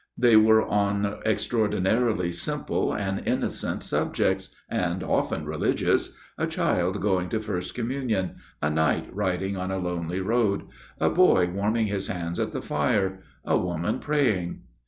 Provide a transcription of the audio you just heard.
They were on extraordinarily simple and innocent sub jects and often religious a child going to First Communion ; a knight riding on a lonely road ; a boy warming his hands at the fire ; a woman praying.